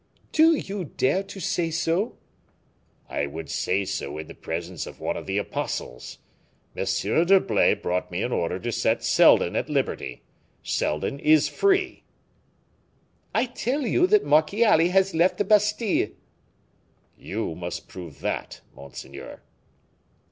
"Do you dare to say so?" "I would say so in the presence of one of the apostles. M. d'Herblay brought me an order to set Seldon at liberty. Seldon is free." "I tell you that Marchiali has left the Bastile." "You must prove that, monseigneur."